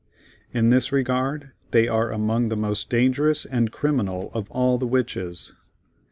In this regard, they are among the most dangerous and criminal of all the Witches.